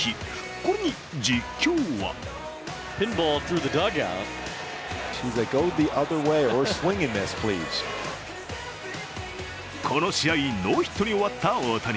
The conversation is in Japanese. これに実況はこの試合、ノーヒットに終わった大谷。